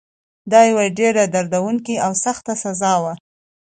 دا یوه ډېره دردونکې او سخته سزا وه.